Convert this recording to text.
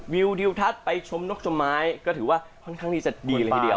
วิวทิวทัศน์ไปชมนกจมไม้ก็ถือว่าค่อนข้างที่จะดีเลยทีเดียว